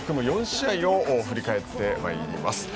４試合を振り返ってまいります。